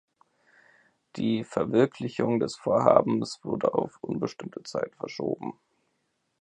Die Verwirklichung des Vorhabens wurde auf unbestimmte Zeit verschoben.